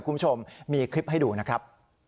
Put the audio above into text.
คุณผู้ชมมีคลิปให้ดูนะครับ